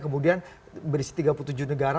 kemudian berisi tiga puluh tujuh negara